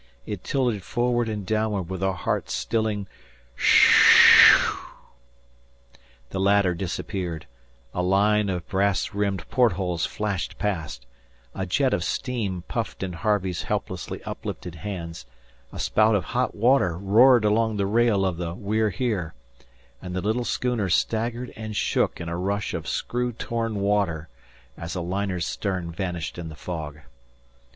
It tilted forward and downward with a heart stilling "Ssssooo"; the ladder disappeared; a line of brass rimmed port holes flashed past; a jet of steam puffed in Harvey's helplessly uplifted hands; a spout of hot water roared along the rail of the We're Here, and the little schooner staggered and shook in a rush of screw torn water, as a liner's stern vanished in the fog.